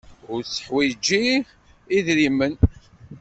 Ur tetteḥwiji idrimen.